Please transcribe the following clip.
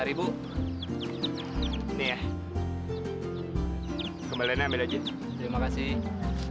ini ya kembali nambah lagi terima kasih